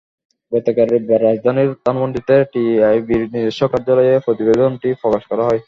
গতকাল রোববার রাজধানীর ধানমন্ডিতে টিআইবির নিজস্ব কার্যালয়ে প্রতিবেদনটি প্রকাশ করা হয়।